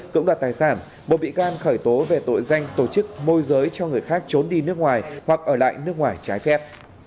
cưỡng đoạt tài sản bộ bị can khởi tố về tội danh tổ chức môi giới cho người khác trốn đi nước ngoài hoặc ở lại nước ngoài trái phép